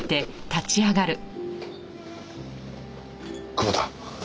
久保田。